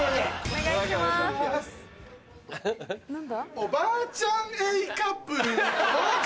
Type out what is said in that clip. おばあちゃん Ａ カップの登場